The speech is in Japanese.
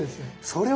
そう。